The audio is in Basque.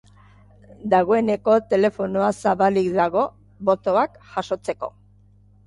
Dagoeneko telefonoa zabalik dago botoak jasotzeko.